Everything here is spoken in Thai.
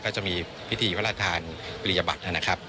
ก็จะมีพิธีพระราชทานปริยบัตรนะครับ